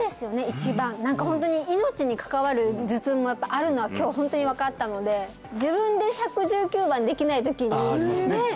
一番何かホントに命に関わる頭痛もやっぱあるのは今日ホントに分かったので自分で１１９番できない時にああありますねねえ